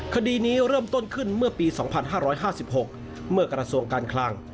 คดีนี้เริ่มต้นขึ้นเมื่อปี๒๕๕๖เมื่อกระทรวงการคลัง